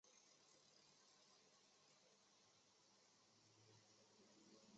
美国公民的选举权经历了一个非常漫长而且缓慢的发展历程。